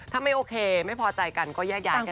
ถ้าไม่โอเคไม่พอใจกันก็แยกย้ายกัน